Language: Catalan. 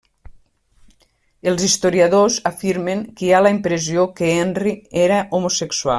Els historiadors afirmen que hi ha la impressió que Henry era homosexual.